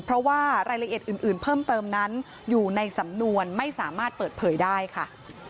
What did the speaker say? เพราะว่ารายละเอียดอื่นเพิ่มเติมนั้นอยู่ในสำนวนไม่สามารถเปิดเผยได้ค่ะ